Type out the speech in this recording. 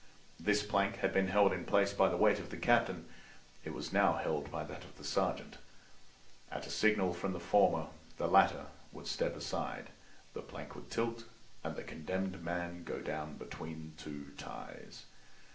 This plank had been held in place by the weight of the captain; it was now held by that of the sergeant. At a signal from the former the latter would step aside, the plank would tilt and the condemned man go down between two ties.